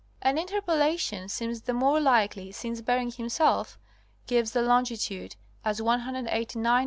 An interpolation seems the more likely since Beriny himself gives the longitude as 189° 55' E.